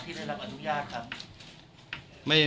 ที่ไดนรับอนุญาตคะ